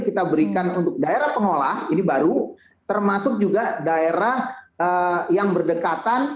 kita berikan untuk daerah pengolah ini baru termasuk juga daerah yang berdekatan